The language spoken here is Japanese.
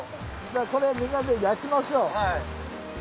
これみんなで焼きましょう。